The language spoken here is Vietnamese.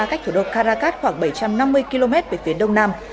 cách thủ đô caracas khoảng bảy trăm năm mươi km về phía đông nam